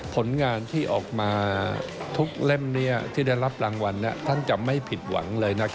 ผลงานที่ออกมาทุกเล่มที่ได้รับรางวัลท่านจะไม่ผิดหวังเลย